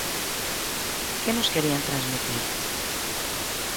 Que nos querían transmitir?